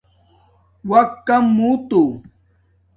وقت کم موتیو